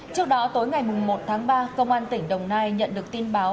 trước đó tối ngày một tháng ba công an tỉnh đồng nai nhận được tin báo